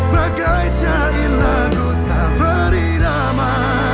bagai syailah ku tak berirama